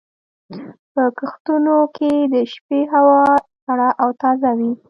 په کښتونو کې د شپې هوا سړه او تازه وي.